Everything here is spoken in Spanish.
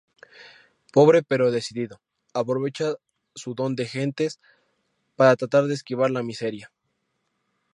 Pobre pero decidido, aprovecha su don de gentes para tratar de esquivar la miseria.